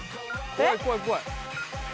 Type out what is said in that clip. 怖い怖い怖い！